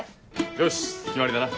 よし決まりだな。